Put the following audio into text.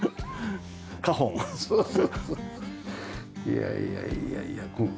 いやいやいやいや。